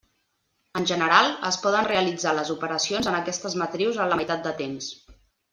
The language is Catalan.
En general, es poden realitzar les operacions en aquestes matrius en la meitat de temps.